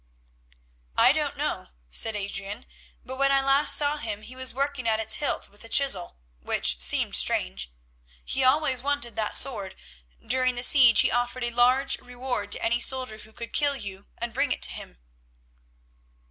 "I don't know," said Adrian, "but when last I saw him he was working at its hilt with a chisel, which seemed strange. He always wanted that sword. During the siege he offered a large reward to any soldier who could kill you and bring it to him."